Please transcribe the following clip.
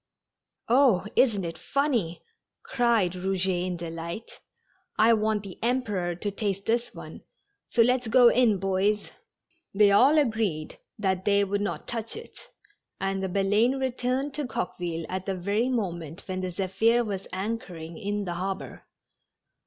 "Oh, isn't it funny," cried Eouget in delight. "I want the Emperor to taste this one, so let's go in, boys." They all agreed that they would not touch it, and the Baleine returned to Coqueville at the very moment when the Zephir was anchoring in the harbor.